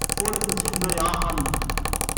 Ur asen-sseḥmayeɣ axxam-nsen.